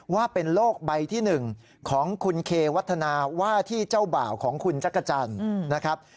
ว่าเป็นโลกใบที่๑ของคุณเควัฒนาว่าที่เจ้าบ่าวของคุณจักรจันทร์นะครับ